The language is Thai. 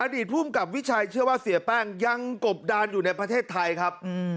อดีตภูมิกับวิชัยเชื่อว่าเสียแป้งยังกบดานอยู่ในประเทศไทยครับ